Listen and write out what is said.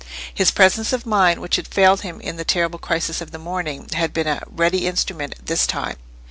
His presence of mind, which had failed him in the terrible crisis of the morning, had been a ready instrument this time.